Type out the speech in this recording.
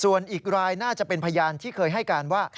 ส่วนอีกรายน่าจะเป็นพยานที่เคยให้การว่า